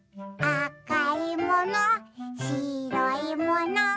「あかいもの？